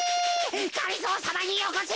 がりぞーさまによこせ！